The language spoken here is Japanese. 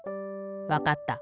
わかった。